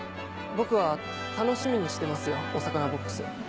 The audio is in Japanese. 僕は楽しみにしてますよお魚ボックス。